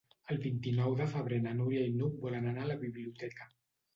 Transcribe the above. El vint-i-nou de febrer na Núria i n'Hug volen anar a la biblioteca.